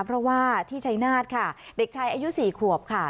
เพราะว่าที่ชัยนาธค่ะเด็กชายอายุ๔ขวบค่ะ